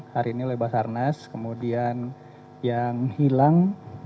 hari ini oleh basarnas kemudian yang hilang